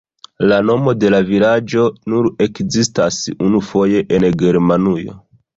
La nomo de la vilaĝo nur ekzistas unufoje en Germanujo.